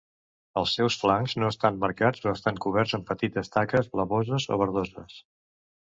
Els seus flancs no estan marcats o estan coberts amb petites taques blavoses o verdoses.